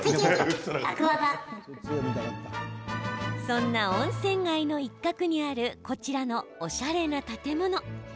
そんな温泉街の一角にあるこちらのおしゃれな建物。